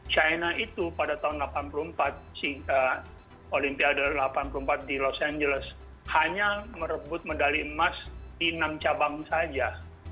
china itu pada tahun seribu sembilan ratus delapan puluh empat olimpiade delapan puluh empat di los angeles hanya merebut medali emas di enam cabang saja